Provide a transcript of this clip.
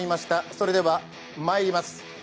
それではまいります。